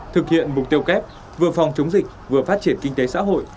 thực hiện mục tiêu kép vừa phòng chống dịch vừa phát triển kinh tế xã hội